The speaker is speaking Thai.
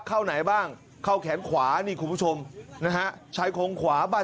เข้าไหนบ้างเข้าแขนขวานี่คุณผู้ชมนะฮะชายโครงขวาใบ